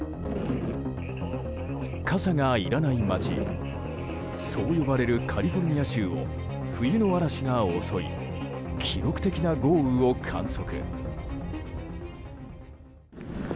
傘がいらない街そう呼ばれるカリフォルニア州を冬の嵐が襲い記録的な豪雨を観測。